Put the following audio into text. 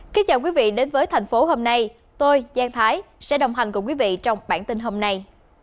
kính chào quý vị đến với thành phố hôm nay tôi giang thái sẽ đồng hành cùng quý vị trong bản tin hôm nay